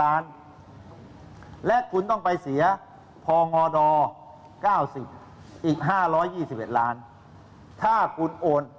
วันจันทร์๒๖เดือน๘อัญคาร๒๗